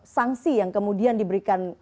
sanksi yang kemudian diberikan